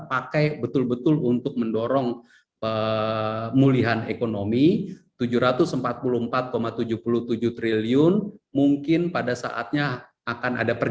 pakai betul betul untuk mendorong pemulihan ekonomi tujuh ratus empat puluh empat tujuh puluh tujuh triliun mungkin pada saatnya akan ada